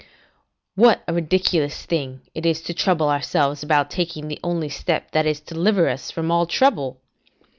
] What a ridiculous thing it is to trouble ourselves about taking the only step that is to deliver us from all trouble!